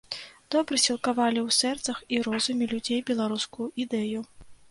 Добра сілкавалі ў сэрцах і розуме людзей беларускую ідэю.